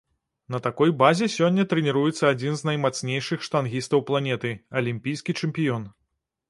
На такой базе сёння трэніруецца адзін з наймацнейшых штангістаў планеты, алімпійскі чэмпіён.